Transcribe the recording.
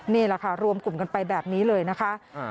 นี่แหละค่ะรวมกลุ่มกันไปแบบนี้เลยนะคะ